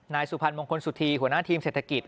สุพรรณมงคลสุธีหัวหน้าทีมเศรษฐกิจ